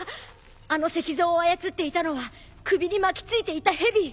あの石像を操っていたのは首に巻きついていた蛇。